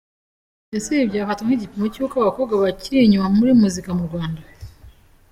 Ese ibi byafatwa nk’igipimo cy’uko abakobwa bakiri inyuma muri muzika mu Rwanda ?.